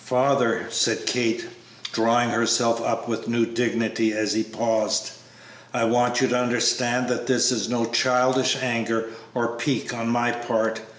"Father," said Kate, drawing herself up with new dignity as he paused, "I want you to understand that this is no childish anger or pique on my part.